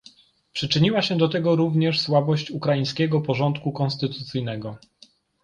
Przyczyniła się do tego również słabość ukraińskiego porządku konstytucyjnego